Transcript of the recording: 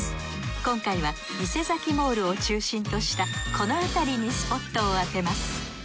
今回はイセザキ・モールを中心としたこの辺りにスポットを当てます。